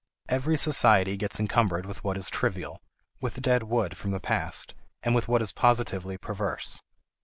Every society gets encumbered with what is trivial, with dead wood from the past, and with what is positively perverse.